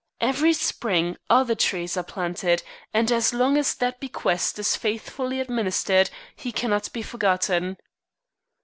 Every spring other trees are planted, and, as long as that bequest is faithfully administered, he cannot be forgotten.